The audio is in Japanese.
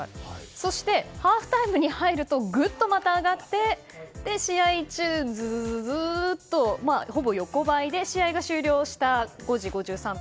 そして、ハーフタイムに入るとグッとまた上がって試合中、ずっとほぼ横ばいで試合が終了した５時５３分。